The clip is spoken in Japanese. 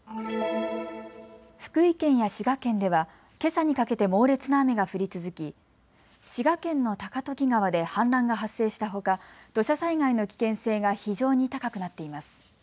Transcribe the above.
福井県や滋賀県ではけさにかけて猛烈な雨が降り続き滋賀県の高時川で氾濫が発生したほか、土砂災害の危険性が非常に高くなっています。